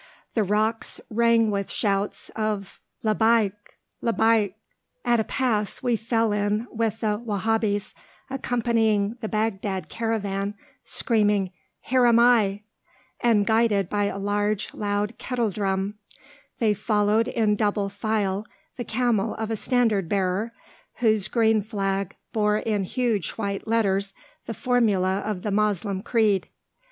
The rocks rang with shouts of "Labbayk! Labbayk!" At a pass we fell in with the Wahhabis, accompanying the Baghdad caravan, screaming "Here am I"; and guided by a large loud kettle drum, they followed in double file the camel of a standard bearer, whose green flag bore in huge white letters the formula of the Moslem creed.